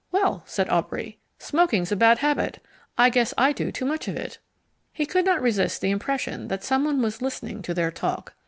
"Well," said Aubrey, "smoking's a bad habit. I guess I do too much of it." He could not resist the impression that someone was listening to their talk.